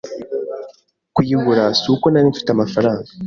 Kuyigura si uko narimfite amafaranga,